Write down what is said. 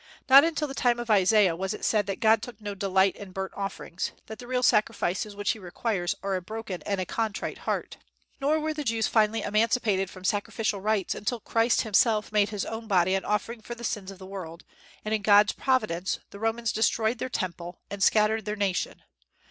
Not until the time of Isaiah was it said that God took no delight in burnt offerings, that the real sacrifices which He requires are a broken and a contrite heart. Nor were the Jews finally emancipated from sacrificial rites until Christ himself made his own body an offering for the sins of the world, and in God's providence the Romans destroyed their temple and scattered their nation.